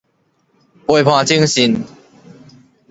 陪伴偵訊